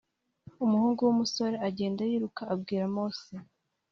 Umuhungu w umusore agenda yiruka abwira mose